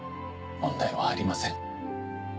問題はありません。